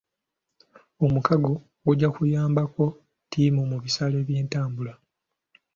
Omukago gujja kuyambako ttiimu mu bisale by'entambula.